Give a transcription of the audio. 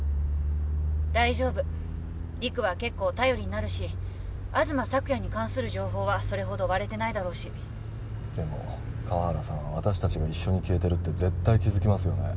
大丈夫陸は結構頼りになるし東朔也に関する情報はそれほど割れてないだろうしでも河原さんは私達が一緒に消えてるって絶対気づきますよね